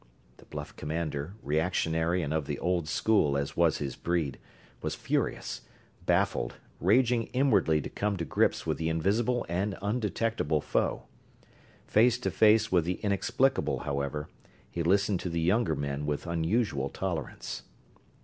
The bluff commander, reactionary and of the old school as was his breed, was furious baffled, raging inwardly to come to grips with the invisible and undetectable foe. Face to face with the inexplicable, however, he listened to the younger men with unusual tolerance.